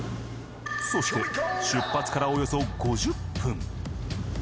そして出発からおよそ５０分。